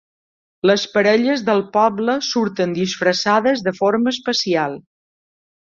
Les parelles del poble surten disfressades de forma especial.